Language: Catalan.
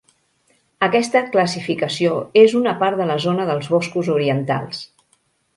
Aquesta classificació és una part de la zona dels Boscos orientals.